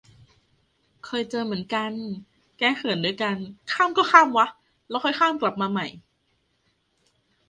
เคยเจอเหมือนกัน แก้เขินด้วยการ ข้ามก็ข้ามวะ แล้วค่อยข้ามกลับมาใหม่